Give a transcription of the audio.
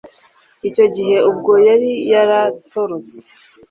icyo gihe ubwo yari yaratorotse